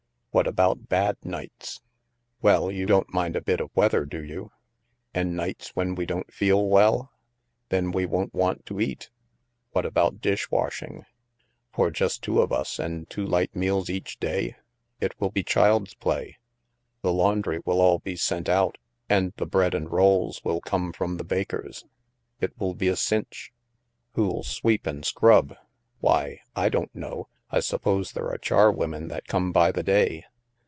" What about bad nights ?"" You don't mind a bit of weather, do you? "*' And nights when we don't feel well ?"" Then we won't want to eat." What about dish washing? " For just two of us, and two light meals each day? It will be child's play. The laundry will all be sent out. And the bread and rolls will come from the baker's. It will be a cinch. " Who'll sweep and scrub?" Why, I don't know. I suppose there are char women that come by the day.